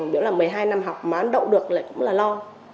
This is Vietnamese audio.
đó là một mươi hai năm học mà đậu được lại cũng là lo